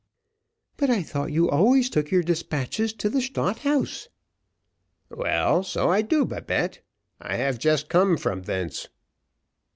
"But I thought you always took your despatches to the Stadt House?" "Well, so I do, Babette; I have just come from thence."